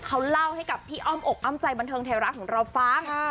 เขาเล่าให้กับพี่อ้อมอกอ้อมใจบันเทิงไทยรัฐของเราฟัง